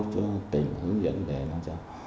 cho tỉnh hướng dẫn để làm sản lượng